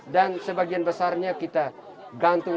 dan sebagian besarnya kita gantung